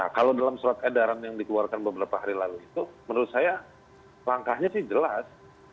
kalau dalam surat edaran yang dikeluarkan beberapa hari lalu itu menurut saya langkahnya sih jelas